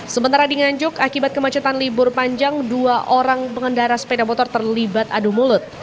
sementara di nganjuk akibat kemacetan libur panjang dua orang pengendara sepeda motor terlibat adu mulut